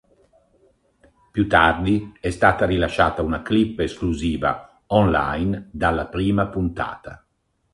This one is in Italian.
Più tardi è stata rilasciata una clip esclusiva online dalla prima puntata.